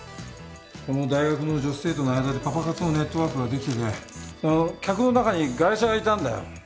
この大学の女子生徒の間でパパ活のネットワークが出来ててその客の中にガイシャがいたんだよ。